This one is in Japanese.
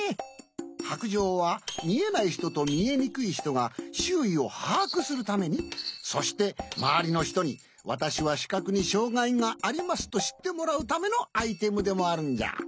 白杖はみえないひととみえにくいひとがしゅういをはあくするためにそしてまわりのひとに「わたしはしかくにしょうがいがあります」としってもらうためのアイテムでもあるんじゃ。